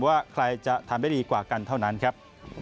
ว่าใครจะทำได้ดีกว่ากันเท่านั้นครับ